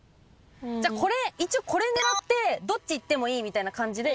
じゃこれ一応これ狙ってどっちいってもいいみたいな感じで。